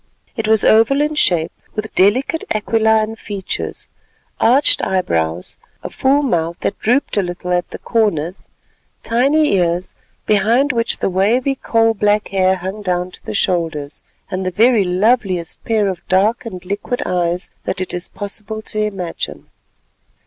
It was oval in shape, with delicate aquiline features, arched eyebrows, a full mouth, that drooped a little at the corners, tiny ears, behind which the wavy coal black hair hung down to the shoulders, and the very loveliest pair of dark and liquid eyes that it is possible to imagine.